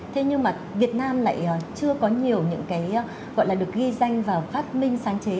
thế nhưng mà việt nam lại chưa có nhiều những cái gọi là được ghi danh vào phát minh sáng chế